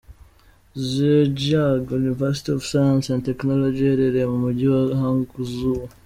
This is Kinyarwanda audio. Zhejiang University of Science and Technology iherereye mu mujyi wa Hangzhou.